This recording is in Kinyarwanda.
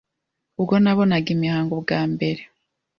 Ubwo nabonaga imihango bwa mbere,